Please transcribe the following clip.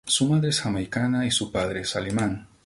Su madre es jamaicana y su padre es alemán.